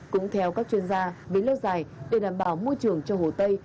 cũng theo các chuyên gia về lâu dài để đảm bảo môi trường cho hồ tây